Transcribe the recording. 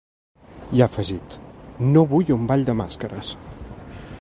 I ha afegit: ‘No vull un ball de màscares’.